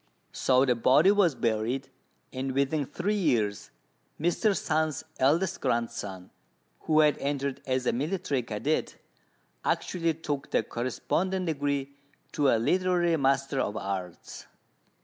So the body was buried, and within three years Mr. Sung's eldest grandson, who had entered as a military cadet, actually took the corresponding degree to a literary master of arts.